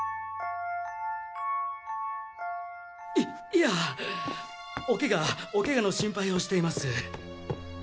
いいやお怪我お怪我の心配をしています。